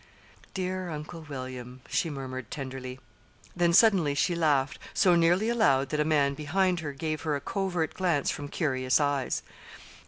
"Dear Uncle William!" she murmured tenderly. Then suddenly she laughed so nearly aloud that a man behind her gave her a covert glance from curious eyes.